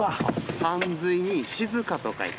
さんずいに「静か」と書いて瀞。